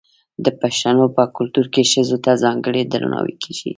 د پښتنو په کلتور کې ښځو ته ځانګړی درناوی کیږي.